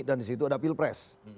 dan di situ ada pilpres